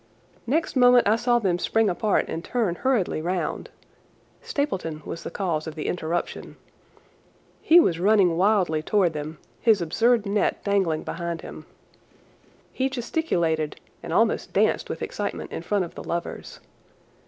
Next moment I saw them spring apart and turn hurriedly round. Stapleton was the cause of the interruption. He was running wildly towards them, his absurd net dangling behind him. He gesticulated and almost danced with excitement in front of the lovers.